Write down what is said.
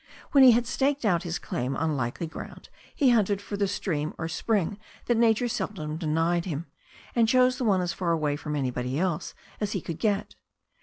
When he had staked out his claim on likely ground, he hunted for the stream or spring that nature seldom denied him, and chose the one as far away from anybody else as he could get.